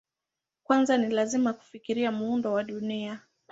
Kwanza ni lazima kufikiria muundo wa Dunia.